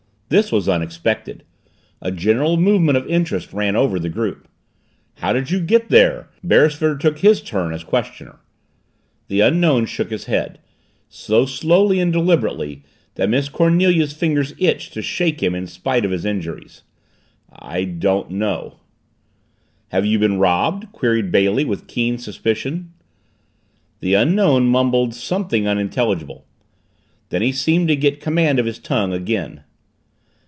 This was unexpected. A general movement of interest ran over the group. "How did you get there?" Beresford took his turn as questioner. The Unknown shook his head, so slowly and deliberately that Miss Cornelia's fingers itched to shake him in spite of his injuries. "I don't know." "Have you been robbed?" queried Bailey with keen suspicion. The Unknown mumbled something unintelligible. Then he seemed to get command of his tongue again.